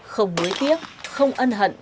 không đối tiếc không ân hận